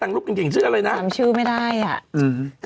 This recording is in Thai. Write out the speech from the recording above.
อาฮะมุมต้องช่วยได้ไหมใจเต้นไหม